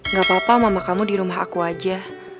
gak apa apa mama kamu di rumah aku aja